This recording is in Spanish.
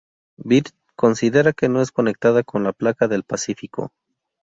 Bird considera que no es conectada con la placa del Pacífico.